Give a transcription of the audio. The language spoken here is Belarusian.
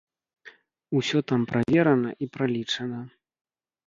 Усё там праверана, і пралічана.